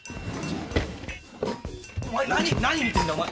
お前何見てんだよお前。